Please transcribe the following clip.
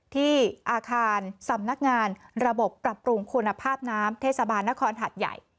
ที่อาคารสำนักงานระบบปรับปรุงคุณภาพน้ำเทศบาลนครหัดใหญ่